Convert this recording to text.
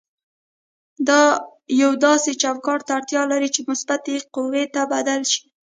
دا یو داسې چوکاټ ته اړتیا لري چې مثبتې قوې ته بدل شي.